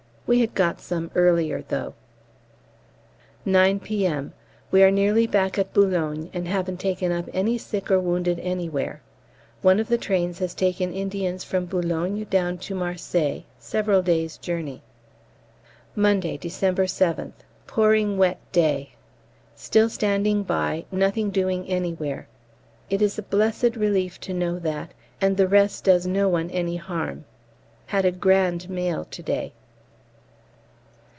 We had got some earlier, though. 9 P.M. We are nearly back at Boulogne and haven't taken up any sick or wounded anywhere. One of the trains has taken Indians from Boulogne down to Marseilles several days' journey. Monday, December 7th. Pouring wet day. Still standing by; nothing doing anywhere. It is a blessed relief to know that, and the rest does no one any harm. Had a grand mail to day.